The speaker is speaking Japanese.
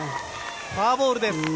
フォアボールです。